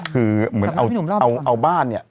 คือเหมือนเอาบ้านเนี่ย